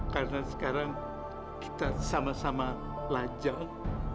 karena sekarang kita sama sama lajang